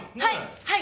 はい！